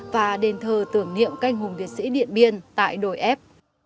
và đền thờ tưởng niệm canh hùng liệt sĩ điện biên tại đồi ép